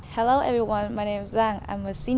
có rất nhiều trung tâm rất tốt